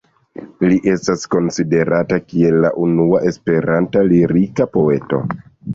Li estas konsiderata kiel la unua Esperanta lirika poeto.